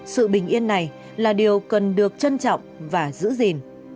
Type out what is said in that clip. sự bình yên này là điều cần được trân trọng và giữ gìn